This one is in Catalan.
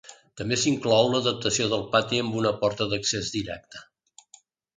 També s’inclou l’adaptació del pati amb una porta d’accés directe.